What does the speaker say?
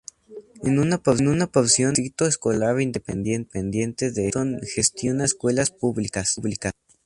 En una porción, el Distrito Escolar Independiente de Houston gestiona escuelas públicas.